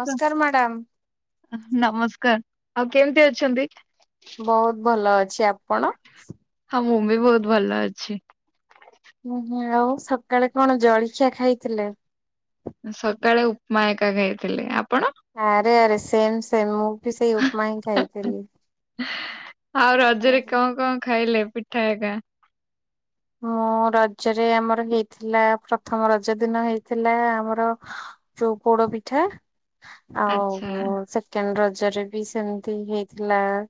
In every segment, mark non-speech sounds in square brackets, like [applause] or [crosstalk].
ନମସ୍କାର ମ୍ୟାଡ଼ାମ୍। ନମସ୍କାର ଆଉ କେମିତି ଅଛନ୍ତି? ବହୁତ ଭଲ ଅଛି। ଆପଣ? ହଁ ମୁଁ ବି ବହୁତ ଭଲ ଅଛି। ଉୁ ହୁଁ ଆଉ ସକାଳେ କଣ ଜଳଖିଆ ଖାଇଥିଲେ? ସକାଳେ ଉପମାୟକା ଖାଇଥିଲି। ଆପଣ? ଆରେ ଆରେ ସେମ ସେମ୍ ମୁଁ ବି ସେଇ ଉପମା ହିଁ ଖାଇଥିଲି। ଆଉ ରଜରେ କଣ କଣ ଖାଇଲେ ପିଠା ଏକା ହୁଁ ରଜରେ ଆମର ହେଇଥିଲା ପ୍ରଥମ ରଜ ଦିନ ହେଇଥିଲା ଆମର ଯୋଉ ପୋଡ ପିଠା ଆଚ୍ଛା ଆଉ ସେ ତାଙ୍କ ରଜରେ ବି ସେମତି ହେଇଥିଲା ଆ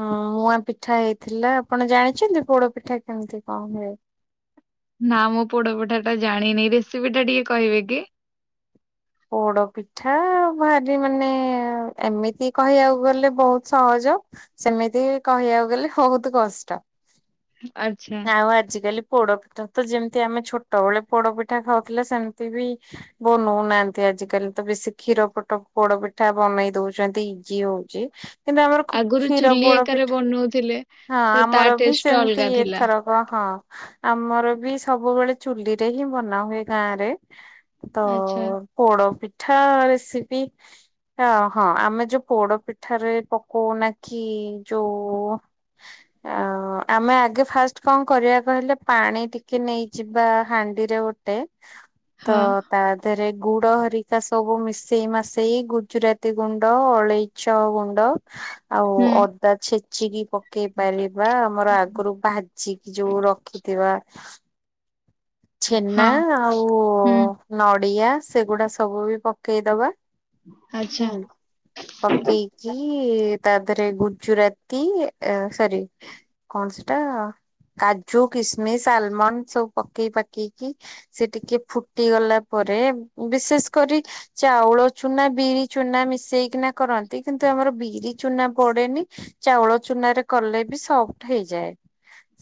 ହଁ ମୁଁଆ ପିଠା ହେଇଥିଲା। ଆପଣ ଜାଣିଛନ୍ତି ପୋଡ ପିଠା କେମିତି କଣ ହୁଏ? ନା ମୁଁ ପୋଡ ପିଠା ଟା ଜାଣିନି। ରେସିପି ଟା ଟିକେ କହିବେ କି? ପୋଡ ପିଠା ଭାରି ମାନେ ଏମିତି କହିବାକୁ ଗଲେ ବହୁତ ସହଜ ସେମିତି କହିବାକୁ ଗଲେ ବହୁତ କଷ୍ଟ ଆଚ୍ଛା ଆଉ ଆଜିକାଲି ପୋଡପିଠା ତ ଯେମିତି ଆମେ ଛୋଟ ବେଳେ ପୋଡପିଠା ଖାଉଥିଲେ ସେମିତି ବି ବନଉନାହାନ୍ତି। ଆଜିକାଲି ତ ବେଶୀ କ୍ଷୀର ପୋଟ ପୋଡ ପିଠା ବନେଇ ଦଉଛନ୍ତି ଇଜି ହଉଛି। କିନ୍ତୁ ଆମର କ ଆଗରୁ କ୍ଷୀର ଚୁଲି ପୋଡ ଏକାରେ ପିଠା ବନଉଥିଲେ। ହଁ ସେ ତା ଆମର ବି ଟେଷ୍ଟ ଟା ସେମିତି ଅଲଗା ଥିଲା ଏଥର ଓହଁ ଆମର ବି ସବୁବେଳେ ଚୁଲି ରେ ହିଁ ବନା ହୁଏ ଗାଁ ରେ ତ ଆଚ୍ଛା ପୋଡ ପିଠା ରେସିପି ଅ ହଁ ଆମେ ଯୋଉ ପୋଡ ପିଠାରେ ପକଉନା କି ଯୋଉ ଆଉ ଆମେ ଆଗେ ଫାଷ୍ଟ କଣ କରିବାକହିଲେ ପାଣି ଟିକେ ନେଇକି ଯିବା ହାଣ୍ଡି ରେ ଗୋଟେ ତ ହଁ ତା ଦେହରେ ଗୁଡ ହରିକା ସବୁ ମିଶେଇ ମାଶେଇ ଗୁଜୁରାତି ଗୁଣ୍ଡ ଅଳେଇଚ ଗୁଣ୍ଡ ଆଉ ହୁଁ ଅଦା ଛେଚିକି ପ କେଇପାରିବା ଆମର ଆଗରୁ ଭାଜିିକି ଯୋଉ ରଖିଥିବା। ଛେନା ହଁ ଆଉ ହୁଁ ନଡ଼ିଆ ସେଗୁଡା ସବୁ ବି ପକେଇଦବା। ଆଚ୍ଛା ହୁଁ। ପକେଇକି ତା ଦିଅରେ ଗୁଜୁରାତି ସରି କଣ ସେଟା କାଜୁ କିସମିସ୍ ଆଲମଣ୍ଡ ସବୁ ପକେଇ ପାକେଇକି। ସେ ଟିକେ ଫୁଟି ଗଲା ପରେ ବିଶେଷ କରି ଚାଉଳ ଚୁନା ବିରି ଚୁନା ମିଶେଇକିନା କରନ୍ତି କିନ୍ତୁ ଆମର ବିରି ଚୁନା ପଡେନି ଚାଉଳ ଚୁନାରେ କଲେ ବି ସଫ୍ଟ ହେଇଯାଏ।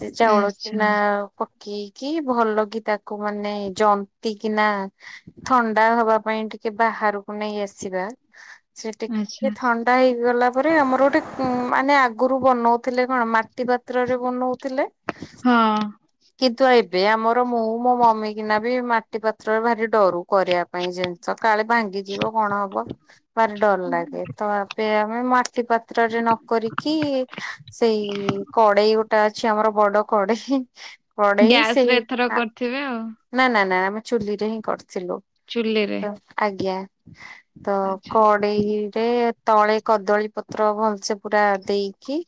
ସେ ଚାଉଳ ଆଚ୍ଛା ଚୁନା ପକେଇକି ଭଲ କି ତାକୁ ମାନେ ଜନ୍ତି କି ନା ଥଣ୍ଡା ହବା ପାଇଁ ଟିକେ ବାହାରକୁ ନେଇ ଆସିବା ସେ ଆଚ୍ଛା ଟିକେ ଥଣ୍ଡା ହେଇଗଲା ପରେ ଆମର ଗୋଟେ ମାନେ ଆଗରୁ ବନଉଥିଲେ କଣ ମାଟି ପାତ୍ରରେ ବନଉଥିଲେ। ହଁ। କିନ୍ତୁ ଏବେ ଆମର ମୁଁ ମୋ ମମି କିନା ବି ମାଟି ପାତ୍ରରେ ଭାରି ଡରୁ କରିବା ପାଇଁ ଯେ ସକାଳେ ଭାଙ୍ଗିଯିବ କଣ ହବ? ଭାର ଡର ଲାଗେ ତ ଏବେ ଆମେ ମାଟି ପାତ୍ରରେ ନକରିକି ସେଇ କଡେଇ ଗୋଟେ ଅଛି ଆମର ବଡ କଡେଇ ପଢଡେଇ ଗ୍ୟାସ ସେଇ ରେ ଏଥର କରିଥିବେ ଆଉ ନା ନା ନା ଆମେ ଚୁଲିରେ ହିଁ କରିଥିଲୁ। ଚୁ୍ଲିରେ। ତ ଆଜ୍ଞା ତ କଡ୍। କଡେଇରେ ତଳେ କଦଳୀ ପତ୍ର ଭଲସେ ପୁରା ଦେଇକି।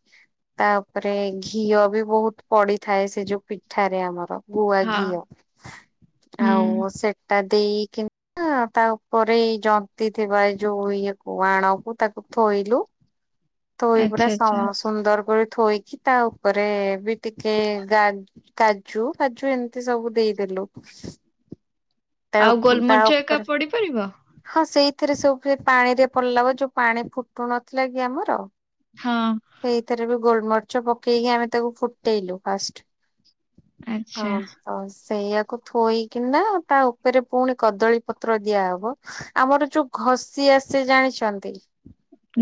ତା ଉପରେ ଘିଅ ବି ବହୁତ ପଡିଥାଏ ସେ ଯୋଉ। ପିଠାରେ ଆମର ଗୁଆ ହଁ ଘିଅ ହୁଁ ଆଉ ସେଟା ଦେଇକି। ନା ତା ଉପରେ ଏଇ ଜନ୍ତୀ ଥିବା ଏ ଯୋଉ ଇଏ କୁ ଆଣକୁୁ ତାକୁ ଥୋଇଲୁ। ହୁଁ ଥୋଇ ପୁରା ସମ ସୁନ୍ଦର କରି ଥୋଇକି ତା ଉପରେ ବି ଟିକେ ଗା କାଜୁ କାଜୁ ଏମିତି ସବୁ ଦେଇଦେଲୁ। ତା ଆଉ ଉ ତା ଗୋଲମରିଚ ଏକା ଉପରେ। ପଡିପାରିବ? ହଁ ସେଇଥିରେ ସବୁ ସେ ପାଣିରେ ପଡିଲା ବା ଯୋଉ ପାଣି ଫୁଟୁ ନଥିଲା କି ଆମର। ହଁ। ସେଇଥିରେ ବି ଗୋଲମରିଚ ପକେଇକି ଆମେ ତାକୁ ଫୁଟେଇଲୁ ଫାଷ୍ଟ। ହଁ। ଆଚ୍ଛା ତ ସେଇଆକୁ ଥୋଇକିନା ତା ଉପରେ ପୁଣି କଦଳୀ ପତ୍ର ଦିଆହବ। ଆମର ଯୋଉ ଘଷି ଆସେ ଜାଣିଛନ୍ତି।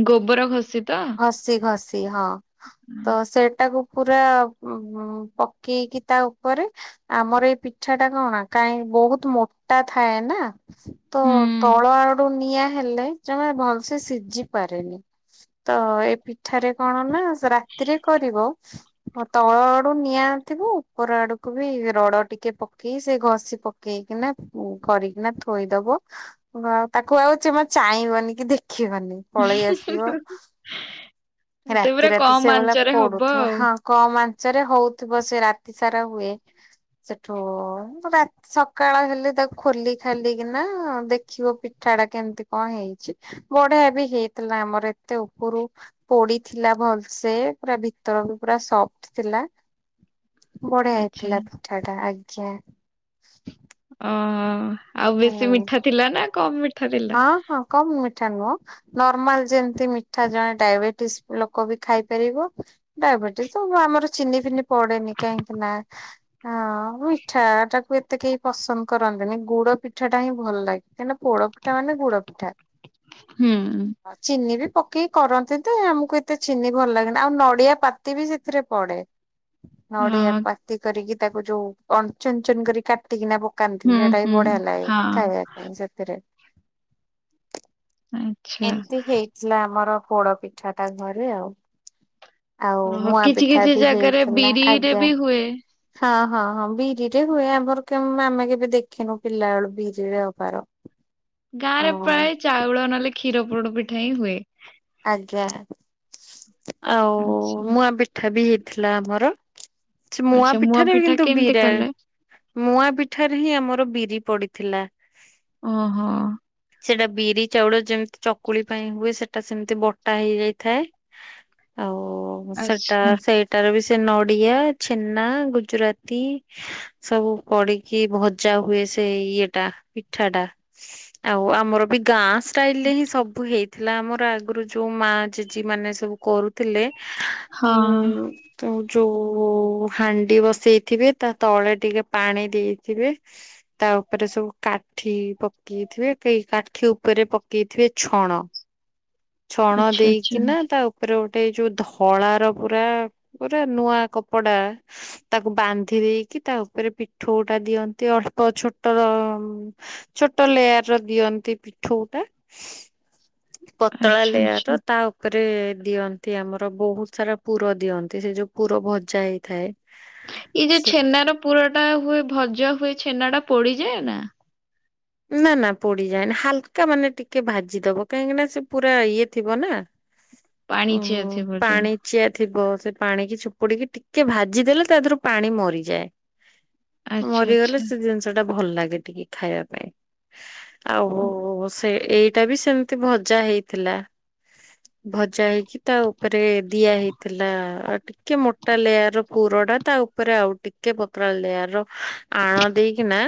ଗୋବର ଘଷି ତ। ଘସି ଘସି ହଁ ତ ସେଇଟାକୁ। ପୁରା ଉଁ ଉଁ ପକେଇକି ତା ଉପରେ। ଆମର ଏଇ ପିଠା ଟା କଣା କାହିଁକି ବହୁତ ମୋଟା ଥାଏ ନା। ତ ହୁଁ ତଳ ଆଡୁ ନିଆଁ ହେଲେ ଜମା ଭଲସେ ସିଝି ପାରେନି। ତ ଏ ପିଠାରେ କଣ ନା ରାତିରେ କରିବ। ତ ତଳ ଆଡୁ ନିଆଁ ଥିବ ଉପର ଆଡକୁ ବି ରଡ ଟିକେ ପକେଇ ସେ ଘଷି ପକ୍ ପକେଇ କିନା ଉଁ କରିକିନା ଥୋଇଦବ। ବ ଆଉ ତାକୁ ଆଉ ଯଥା ଚାହିଁବନି କି ଦେଖିବନି। ପଳେଇ ଆସିବ। [unintelligible] ସେ ରାତି ପୁରା ରାତି କମ ସେ ଭଲା ଆଞ୍ଚରେ ହବ ପଡୁଥିବ ଆଉ। ହଁ। କମ୍ ଆଞ୍ଚରେ ହଉଥିବ ସେ ରାତି ସାରା ହୁଏ ସେଠୁ ରା ସକାଳ ହେଲେ ତାକୁ ଖୋଲି ଖାଲିକିନା ଦେଖିବ ପିଠା ଟା କେମିତି କଣ ହେଇଛି। ବଢିଆ ବି ହେଇଥିଲା ଆମର ଏତେ ଉପୁରୁ। ପୋଡି ଥିଲା ଭଲସେ ପୁରା ଭିତର ବି ପୁରା ସଫ୍ଟ ଥିଲା। ବଢ଼ିଆ ଆଚ୍ଛା ହେଇଥିଲା ପିଠା ଟା ଆଜ୍ଞା। ଓ ଆଉ ବେଶୀ ହୁଁ ମିଠା ଥିଲା ନା କମ୍ ମିଠା ଥିଲା। ହଁ ହଁ କମ୍ ମିଠା ନୁହଁ। ନର୍ମାଲ ଯେମତି ମିଠା ଜଣେ ଡାଇବେଟିସ୍ ଲୋକ ବି ଖାଇପାରିବ। ଡାଇବେଟିସ ତ ଆମର ଚିନି ଫିନି ପଡେନି କାହିଁକି ନା। ଆଁ ମିଠା ଟାକୁ ଏତେ କେହି ପସନ୍ଦ କରନ୍ତିନି ଗୁଡ। ପିଠା ଟା ହିଁ ଭଲ ଲାଗେ କାହିଁକନା ପୋଡ ପିଠା ମାନେ ଗୁଡ ପିଠା। ହୁଁ। ଆଉ ଚିନି ବି ପକେଇ କରନ୍ତି ଯେ ଆମକୁ ଏତେ ଚିନି ଭଲ ଲାଗେନି ଆଉ ନଡିଆ ପାତି ବି ସେଥିରେ ପଡେ। ନଡିଆ ହଁ ପାତି କରିକି ତାକୁ ଯୋଉ କଣ ଚୁନ ଚୁନ କରି କାଟିକିନା ପ କାନ୍ତି ହୁଁ ସେଇଟା ବି ହୁଁ ବଢିଆ ହେଲା ହଁ ଖାଇବା ପାଇଁ ସେଥିରେ। ଆଚ୍ଛା। ଏମିତି ହେଇଥିଲା ଆମର ପୋଡ ପିଠା ଟା ଘରେ ଆଉ। ଆଉ ଓହୋ ମୁଆଁ କିଛି ପିଠା କିଛି ବି ଜାଗାରେ ହେଇଥିଲା ବିରିରେ ଆଜ୍ଞା। ବି ହୁଏ। ହଁ ହଁ ହଁ ବିରିରେ ହୁଏ ଆମର କେ ଆମେ କେବେ ଦେଖେିନୁ। ପିଲା ବେଳୁ ବିରି ରେ ହବାର। ଗାଁ ରେ ହଁ ପ୍ରାୟ ଚାଉଳ ନହେଲେ କ୍ଷୀର ପୋଡ ପିଠା ହିଁ ହୁଏ। ଆଜ୍ଞା ଆଉ ଆଚ୍ଛା ମୁଆଁ ପିଠା ବି ହେଇଥିଲା ଆମର ସେ ମୁଆଁ ଆଚ୍ଛା ପିଠରେ ପିଠା କିନ୍ତୁ କେମିତି ବିରି। କଲେ? ମୁଆଁ ପିଠାରେ ହିଁ ଆମର ବିରି ପଡିଥିଲା। ଓହୋ। ସେଟା ବିରି ଚାଉଳ ଯେମିତି ଚକୁଳି ପାଇଁ ହୁଏ, ସେ ଟା ସେମିତି ବଟା ହେଇଯାଇଥାଏ, ଆଉ ସେଟା ଆଚ୍ଛା ସେଇ ଟାର ବି ସେ ନଡିଆ, ଛେନା, ଗୁଜୁରାତି ସବୁ ପଡିକି ଭଜା ହୁଏ, ସେ ଇଏ ଟା ପିଠା ଟା। ଆଉ ଆମର ବି ଗାଁ ଷ୍ଟାଇଲ ରେ ହିଁ ସବୁ ହେଇଥିଲା, ଆମର ଆଗରୁ ଯୋଉ ମା ଜେଜି ମାନେ ସବୁ କରୁଥିଲେ ହଁ। ଉଁ, ତ ଯୋଉ ହାଣ୍ଡି ବସେଇଥିବେ ତା ତଳେ ଟିକେ ପାଣି ଦେଇଥିବେ ତା ଉପରେ ସବୁ କାଠି ପକେଇଥିବେ, ସେଇ କାଠି ଉପରେ ପକେଇଥିବେ ଛଣ ଛଣ ଆଚ୍ଛା ଆଚ୍ଛା ଦେଇକିନା ତା ଉ ଉପରେ ଗୋଟେ ଏଇ ଯୋଉ ଧଳା ର ପୁରା ପୁରା ନୂଆ କପଡା ତାକୁ ବାନ୍ଧି ଦେଇକି ତା ଉପରେ ପିଠୋଉ ଟା ଦିଅନ୍ତି ଅଳ୍ପ ଛୋଟର ଉଁ, ଛୋଟ ଲେୟାର୍ ର ଦିଅନ୍ତି ପିଠୋଉ ଟା। ତଳା ଆଚ୍ଛା ଲେୟାର୍ ର ଆଚ୍ଛା ତା ଉପରେ ଦିଅନ୍ତି ଆମର ବହୁତ ସାରା ପୁର ଦିଅନ୍ତି, ସେ ଯୋଉ ପୁର ଭଜା ହେଇଥାଏ। ଏଇ ଯୋଉ ସେ ଛେନାର ପୁର ଟା ହୁଏ ଭଜା ହୁଏ ଛେନା ଟା ପୋଡିଯାଏ ନା? ନା ନା ପୋଡିଯାଏନା, ହାଲକା ମାନେ ଟିକେ ଭାଜିଦବ କାହିଁକି ନା ସେ ପୁରା ଇଏ ଥିବ ନା। ପାଣିଚିଆ ଓହୋ ଥିବ ଯୋ ପାଣି ଚିଆ ଥିବ, ସେ ପାଣିିକି ଚିପୁଡ଼ିକି ଟିକେ ଭାଜିଦେଲେ ତା ଦେହରୁ ପାଣି ମରିଯାଏ। ମରିଗଲେ ସେ ଜିନିଷ ଟା ଭଲ ଲାଗେ ଟିକେ ଖାଇବା ପାଇଁ। ଆଉ ହୋ ସ ସେ ଏଇଟା ବି ସେମିତି ଭଜା ହେଇଥିଲା, ଭଜା ହେଇକି ତା ଉପରେ ଦିଆ ହେଇଥିଲା ଆଉ ଟି କେ ମୋଟା ଲେୟାର୍ ପୁର ଟା ତା ଉପରେ ଆଉ ଟିକେ ପତଳା ଲେୟର୍ ର ଆଣ ଦେଇକି ନା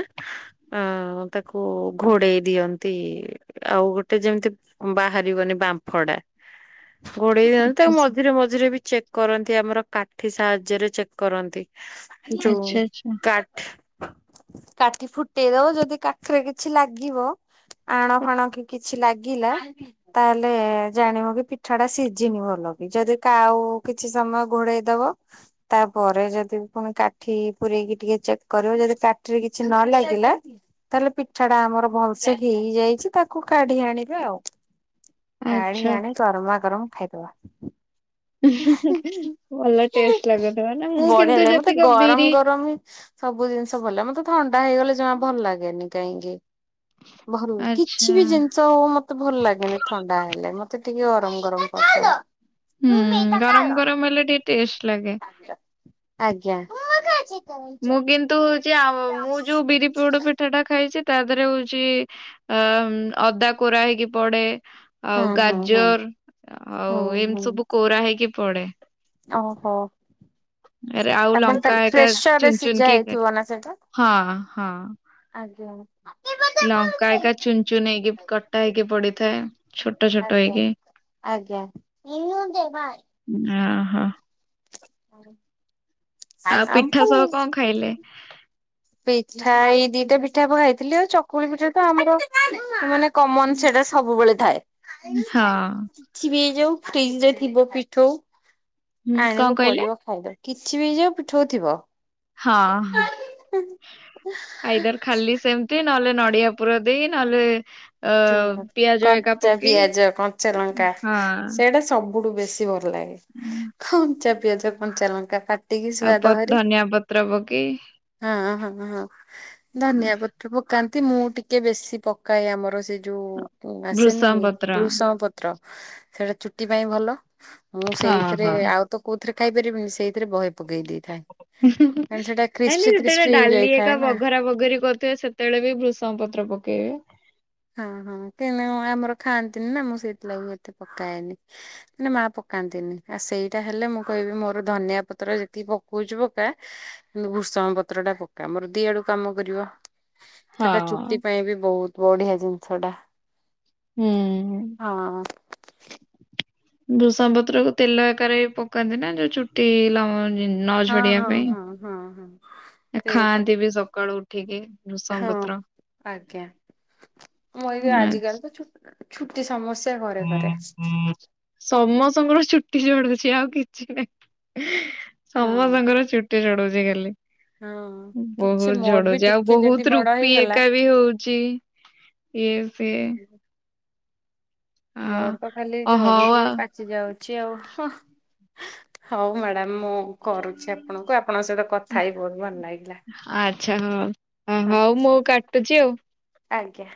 ଅ, ତାକୁ ଘୋଡେଇ ଦିଅନ୍ତି ଆଉ ଗୋଟେ ଯେମିତି ବାହାରିବନି ବାମ୍ଫ ଟା। ଘୋଡେଇ ଦିଅନ୍ତି, ତାକୁ ମଝିରେ ମଝିରେ ବି ଚେକ୍ କରନ୍ତି ଆମର କାଠି ସାହାଯ୍ୟରେ ଚେକ୍ କରନ୍ତି, ଯୋଉ କାଠି କାଠି ଫୁଟେଇ ଦବ ଯଦି କାଠିରେ କିଛି ଲାଗିବ ଆଣ ଫାଣ କି କି ଛି ଲାଗିଲା ତାହେଲେ ଜାଣିବ କି ପିଠା ଟା ସିଝିନି ଭଲ କି, ଯଦି କାଉ କି ଛି ସମୟ ଘୋଡେଇ ଦବ ତାପରେ ଯଦି ପୁଣି କାଠି ପୂରେଇକି ଟିକେ ଚେକ୍ କରିବ, ଯଦି କାଠିରେ କିଛି ନ ଲାଗିଲା ତାହେଲେ ପିଠା ଟା ଆମର ଭଲସେ ହେଇଯାଇଛି ତାକୁ କାଢି ଆଣିବେ ଆଉ। କାଢ଼ି ଆଣିି ଗରମା ଗରମ ଖାଇଦବା। ଭଲ ଟେଷ୍ଟ ଲାଗନ୍ତା, ମାନେ ମୁଁ ବଢିଆ କିନ୍ତୁ ଲାଗେ ମତେ ଯେତିକ ବିରି [unintelligible] ସବୁ ଜିନିଷ ଭଲ ମୋତେ ଥଣ୍ଡା ହେଇଗଲେ ଜମା ଭଲ ଲାଗେନି କାହିଁକି? ଭଲ ଆଚ୍ଛା କିଛି ବି ଜିନିଷ ତଉ ମୋତେ ଭଲ ଲାଗେନି ଥଣ୍ଡା ହେଲେ, ମୋତେ ଟିକେ ଗରମ ଗରମ [inaudible] ହୁଁ ଗରମ ଗରମ ହେଲେ ଟିକେ ଟେଷ୍ଟ ଲାଗେ। ଆଜ୍ଞା। ମୁଁ କିନ୍ତୁ ହଉଚି ଆଉ ମୁଁ ଯୋଉ ବିରି ପୋଡପିଠା ଟା ଖାଇଛି ତା ଦେହରେ ହଉଛି ଅ, ଉଁ, ଅଦା କୋରା ହେଇକି ପଡେ। ଆଉ ହୁଁ ହୁଁ ଗାଜର ଆଉ ହୁଁ ହୁଁ। ଏମିତି ସବୁ କୋରା ହେଇକି ପଡେ। ଓହୋ! ଆରେ ଆଉ ଆପଣ ଲଙ୍କା ତାଲ ଏକା ପ୍ରେସର୍ ରେ ଚୁନ ଚୁନ ସିଜା କି କାଟ। ହେଇଥିବ ନା ସେଇଟା? ହଁ ହଁ ଆଜ୍ଞା। ଲଙ୍କା ଏକା ଚୁନ୍ ଚୁନ୍ ହେଇକି କଟା ହେଇକି ପଡିଥାଏ। ଛୋଟ ଛୋଟ ଆଜ୍ଞା ହେଇକି ଆଜ୍ଞା। ଓହୋ। ଆଉ ପିଠା ସହ କଣ [unintelligible] ଖାଇଲେ। ପିଠା ଏଇ ଦିଟା ପିଠା ପ ଖାଇଥିଲି ଆଉ ଚକୁଳି ପିଠା ତ ଆମର ମାନେ କମନ ସେଟା ସବୁବେଳେ ଥାଏ। ହଁ କିଛି ବି ହେଇଯାଉ ଫ୍ରିଜ ରେ ଥିବ ପିଠଉ ହୁଁ କଣ ଆଣିବ କହିଲେ କରିବ ଖାଇବା। କିଛି ବି ଯୋଉ ପିଠଉ ଥିବ। ହଁ ଆଇଦାର ଖାଲି ସେମିତି ନହେଲେ ନଡିଆ ପୁର ଦେଇ ନହେଲେ। ଅ ପିଆଜ ଏକା କଞ୍ଚା ପକେଇ ପିଆଜ କଞ୍ଚା ଲଙ୍କା ହଁ ସେଇଟା ସବ ବୁଠୁ ବେଶୀ ଭଲ ଲାଗେ କଞ୍ଚା ପିଆଜ କଞ୍ଚା ଲଙ୍କା କାଟିକି ଆଉ ସୁଆଦ ପ ଭାରି ଧନିଆ ପତ୍ର ପକେଇ ହଁ ହଁ ହଁ ଧନିଆ ପତ୍ର ପକାନ୍ତି ମୁଁ ଟିକେ ବେଶୀ ପକାଏ ଆମର ସେ ଯୋଉ ଆସେନି ଭୃଷଙ୍ଗ ପତ୍ର ବୃଷ ପତ ତ ସେଟା ଚୁଟି ପାଇଁ ଭଲ। ମୁଁ ହଁ ସେଇଥିରେ ହଁ ଆଉ ତ କୋଉଥିରେ ଖାଇପାରିବିନି ସେଇଥିରେ ବହିେ ପକେଇ ଦେଇଥାଏ। ନାଇଁ କାରଣ ସେଟା ନାଇଁ କ୍ରିସ୍ପି କ୍ରିସ୍ପି ଯେତେବେଳେ ଡାଲି ହେଇଯାଇଥାଏ ଏକା ନା ବଘରା ବଘରି କରୁଥିବା ସେ ତେଳେ ବି ଭୃଷଙ୍ଗ ପତ୍ର ପକେଇବେ। ହଁ ହଁ କେହିଁ ଆମର ଖାଆନ୍ତିନି ନା ମୁଁ ସେଇଥିଲାଗି ଏତେ ପକାଏନି। ମନେ ମା ପକାନ୍ତିନି ଆଉ ସେଇଟା ହେଲେ ମୁଁ କହିବି ମୋର ଧନିଆ ପତ୍ର ଯେତିକି ପକଉଛି ପକା ଭୃଷଙ୍ଗା ପତ୍ର ଟା ପକ୍କା ମୋର ଦି ଆଡୁ କାମ କରିବ। ସେଟା ଚୁଟି ହଁ ପାଇଁ ବି ବହୁତ ବଢିଆ ଜିନିଷ ଟା। ହୁଁ। ହଁ। ବୂଷାମ ପତ୍ରକୁ ତେଲ ଏକାରେରେ ବି ପକାନ୍ତି ନା ଯୋଉ ଚୁଟି ଲ ଜିନ ହଁ ହଁ ହଁ ହଁ ହଁ। ସେ ପ ଖାଆନ୍ତି ବି ସକାଳୁ ଉଠିକି ଭୃଷଙ୍ଗ ହଁ ପତ୍ର। ଆଜ୍ଞା। ମୁଇ ବି ଆଚ୍ଛା। ଆଜିକାଲି ତ ଛୁଟି ସମସ୍ୟା ଘରେ ଘରେ ସମସ୍ତଙ୍କର ଚୁଟି ଜଡୁଛି। ଆଉ କିଛି ନାହିଁ ହଁ ସମସ୍ତଙ୍କର ଚୁ କେତେ ଚଢଉଛି ଖାଲି। ହଁ କିଛି ବହୁତ ମୋର ବି ଝଡୁଛି ଆଉ ଟିକେ ଯଦି ବହୁତ ବଡ ରୁପି ହେଇଗଲା ଏକା ବି ହଉଛି ଏଇ ସେ ମୋର ତ ଖାଲି ଓ ହଉ ଆଉ ଝଡୁଛି ପା ଯାଉଛି ଆଉ ହଉ ମ୍ୟାଡାମ ମୁଁ କରୁଛି ଆପଣଙ୍କୁ ଆପଣଙ୍କ ସହିତ କଥା ହେଇ ବହୁତ ଭଲ ଲାଗିଲା। ଆଚ୍ଛା ହଉ ହଁ ହଉ ମୁଁ କାଟୁଛି ଆଉ। ଆଜ୍ଞା।